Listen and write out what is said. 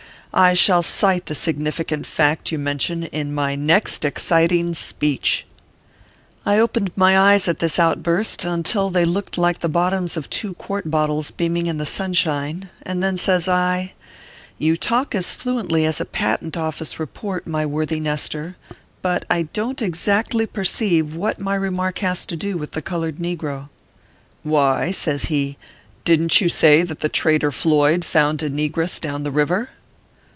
I shall cite the significant fact you mention in my next exciting speech/ I opened my eyes at this outburst until they looked like the bottoms of two quart bottles beaming in the sunshine, and then says I :" You talk as fluently as a Patent Office Eeport, my worthy Nestor ; but I don t exactly perceive what my remark has to do with the colored negro." " Why," says he, " didn t you say that the traitor Floyd found a negrcss down the river